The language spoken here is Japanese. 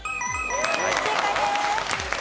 正解です。